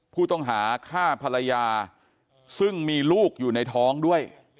ผู้ต้องหาฆ่าภรรยาซึ่งมีลูกอยู่ในท้องด้วย